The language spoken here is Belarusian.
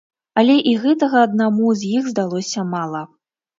Але і гэтага аднаму з іх здалося мала.